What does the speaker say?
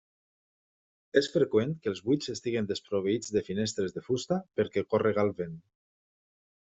És freqüent que els buits estiguen desproveïts de finestres de fusta perquè córrega el vent.